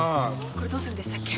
これどうするんでしたっけ？